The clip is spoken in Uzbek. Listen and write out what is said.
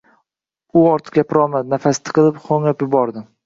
U ortiq gapirolmadi, nafasi tiqilib, ho‘ngrab yubordi.